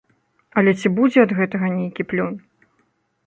Але ці будзе ад гэтага нейкі плён?